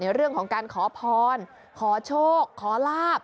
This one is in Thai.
ในเรื่องของขอพรขอโชคขอลาภ